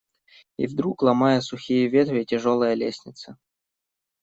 И вдруг, ломая сухие ветви, тяжелая лестница